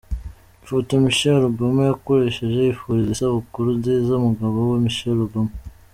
Ifoto Michelle Obama yakoresheje yifuriza isabukuru nziza umugabo we, Michelle Obama.